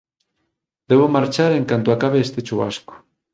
Debo marchar en canto acabe este chuvasco.